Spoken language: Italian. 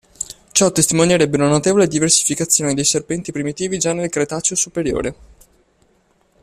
Ciò testimonierebbe una notevole diversificazione dei serpenti primitivi già nel Cretaceo superiore.